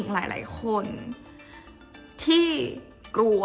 จนดิวไม่แน่ใจว่าความรักที่ดิวได้รักมันคืออะไร